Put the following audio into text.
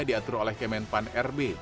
diatur oleh kemen pan rb